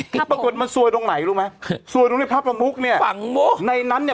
คือปรากฏมันซวยตรงไหนรู้ไหมซวยตรงนี้พระประมุกเนี่ยฝังมุกในนั้นเนี่ย